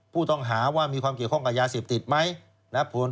ผู้ต้องหาว่ามีความเกี่ยวข้องกับยาเสพติดไหมนะครับ